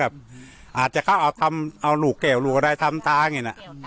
อาจจะเขาเอาทำเอาลูกแก้วลูกอะไรทำตาอย่างนี้นะ